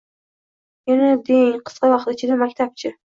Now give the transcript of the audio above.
Yana deng, qisqa vaqt ichida. Maktab-chi?